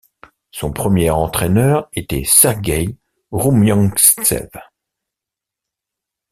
Son premier entraîneur était Sergueï Roumiantsev.